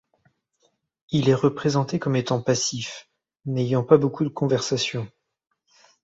Il est représenté comme étant passif, n'ayant pas beaucoup de conversation.